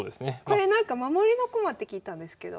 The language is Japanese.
これなんか守りの駒って聞いたんですけど。